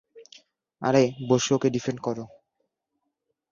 আরে, বসে ওকে ডিফেন্ড করো।